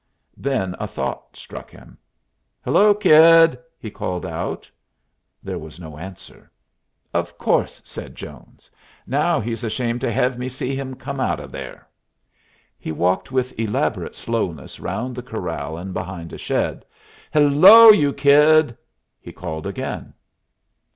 Then a thought struck him. "Hello, kid!" he called out. There was no answer. "Of course," said Jones. "Now he's ashamed to hev me see him come out of there." He walked with elaborate slowness round the corral and behind a shed. "Hello, you kid!" he called again.